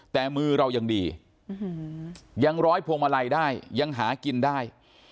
แต่มือเรายังดียังร้อยพวงมาลัยได้ยังหากินได้